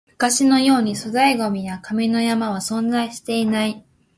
昔のように粗大ゴミや紙の山は存在していない